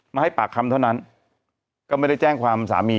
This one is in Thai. ให้ปากคำเท่านั้นก็ไม่ได้แจ้งความสามี